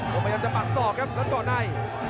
ก็พยายามจะปัดสอบครับแล้วก็ก่อนนาย